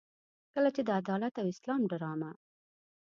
کله چې د عدالت او اسلام ډرامه.